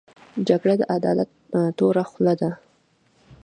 جګړه د عدالت توره خوله ده